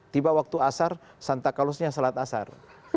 tiba waktu asar santa clausnya salat asar